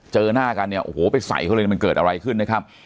เจอหน้ากันเนี่ยโอ้โหไปใส่เขาเลยมันเกิดอะไรขึ้นนะครับ